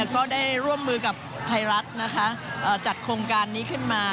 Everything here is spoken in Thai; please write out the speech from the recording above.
ก็ได้ร่วมมือกับไทยรัฐนะคะจัดโครงการนี้ขึ้นมา